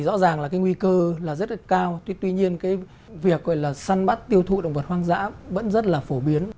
rõ ràng là nguy cơ rất cao tuy nhiên việc săn bắt tiêu thụ động vật hoang dã vẫn rất phổ biến